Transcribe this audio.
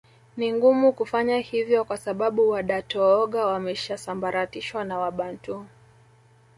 Ni ngumu kufanya hivyo kwa sababu Wadatooga wameshasambaratishwa na Wabantu